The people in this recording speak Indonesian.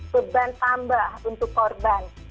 keban tambah untuk korban